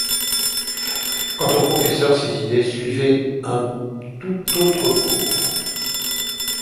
Quant au professeur, ses idées suivaient un tout autre cours.